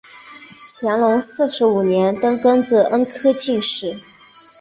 乾隆四十五年登庚子恩科进士。